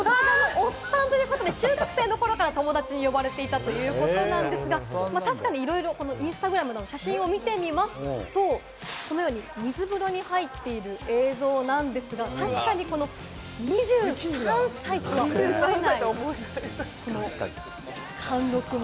おっさんということで、中学生の頃から友達に呼ばれていたということなんですが、確かにいろいろインスタグラムでも写真を見てみますと、このように水風呂に入っている映像なんですが、確かに２３歳とは思えないこの貫禄！